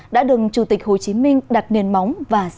đã đừng chủ tịch hồ chí minh đặt niền mỏng